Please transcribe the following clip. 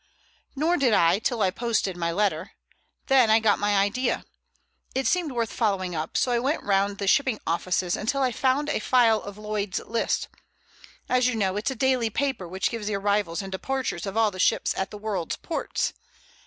"Nor did I till I posted my letter. Then I got my idea. It seemed worth following up, so I went round the shipping offices until I found a file of Lloyd's List. As you know it's a daily paper which gives the arrivals and departures of all ships at the world's ports.